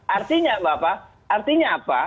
artinya bapak artinya apa